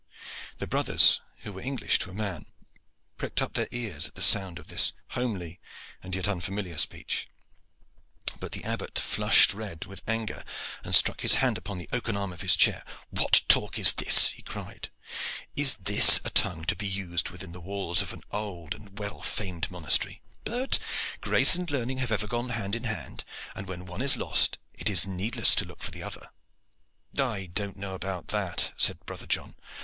The brothers, who were English to a man, pricked up their ears at the sound of the homely and yet unfamiliar speech; but the Abbot flushed red with anger, and struck his hand upon the oaken arm of his chair. "What talk is this?" he cried. "Is this a tongue to be used within the walls of an old and well famed monastery? But grace and learning have ever gone hand in hand, and when one is lost it is needless to look for the other." "I know not about that," said brother John.